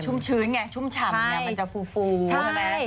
ชื้นไงชุ่มฉ่ำไงมันจะฟูใช่ไหม